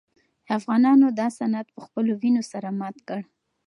افغانانو دا سند په خپلو وینو سره مات کړ.